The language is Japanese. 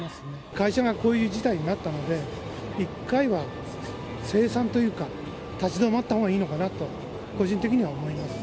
会社がこういう事態になったので、一回は清算というか、立ち止まったほうがいいのかなと、個人的には思います。